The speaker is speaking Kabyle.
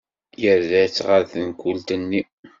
Yerra-tt ɣer tenkult-nni.